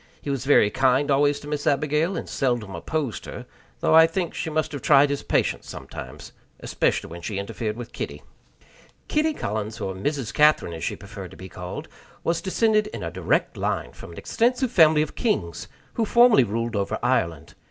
He was very kind always to Miss Abigail, and seldom opposed her; though I think she must have tried his patience sometimes, especially when she interfered with Kitty. Kitty Collins, or Mrs. Catherine, as she preferred to be called, was descended in a direct line from an extensive family of kings who formerly ruled over Ireland.